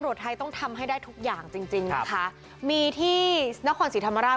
ตำรวจไทยต้องทำให้ได้ทุกอย่างจริงจริงค่ะครับมีที่นครสิทธรรมราช